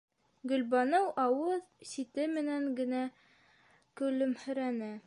Гөлбаныу ауыҙ сите менән генә көлөмһөрәне: